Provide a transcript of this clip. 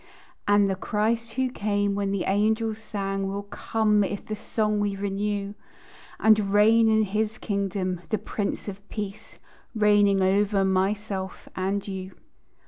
And the Christ who came when the angels sang Will come, if the song we renew, And reign in his kingdom, the Prince of Peace, Reigning over myself and you.